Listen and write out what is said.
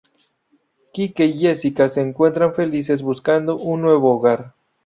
Kike y Jessica se encuentran felices buscando un nuevo hogar.